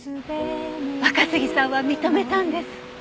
若杉さんは認めたんです。